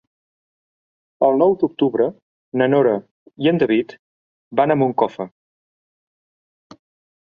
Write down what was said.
El nou d'octubre na Nora i en David van a Moncofa.